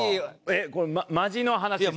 これマジの話ですか？